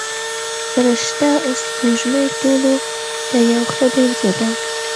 فرشته سپوږمۍ ټولو ته یوه ښه بېلګه ده.